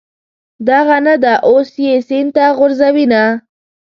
دغه نه ده، اوس یې سین ته غورځوینه.